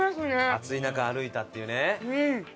暑い中歩いたっていうね。